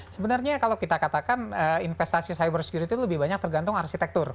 sebenarnya kalau kita katakan investasi cyber security lebih banyak tergantung arsitektur